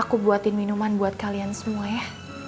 aku buatin minuman buat kalian semua ya